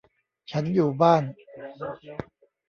ฉันอยู่บ้าน